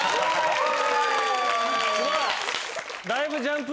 すごい！